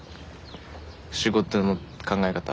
仕事の考え方。